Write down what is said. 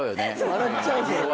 笑っちゃうそれは。